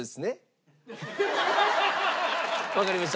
わかりました。